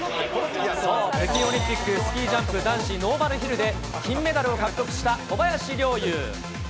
北京オリンピック、スキージャンプ男子ノーマルヒルで、金メダルを獲得した小林陵侑。